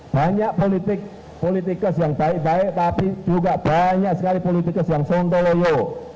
banyak politik politikus yang baik baik tapi juga banyak sekali politikus yang sontoloyo